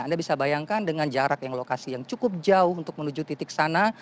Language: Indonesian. anda bisa bayangkan dengan jarak yang lokasi yang cukup jauh untuk menuju titik sana